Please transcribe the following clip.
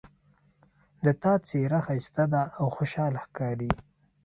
د تا څېره ښایسته ده او خوشحاله ښکاري